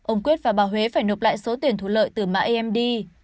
ông quyết và bà huế phải nộp lại số tiền thu lợi từ mã md